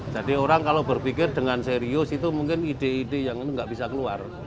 jadi orang kalau berpikir dengan serius itu mungkin ide ide yang nggak bisa keluar